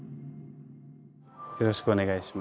よろしくお願いします。